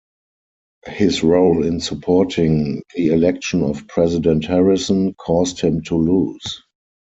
His role in supporting the election of President Harrison caused him to lose.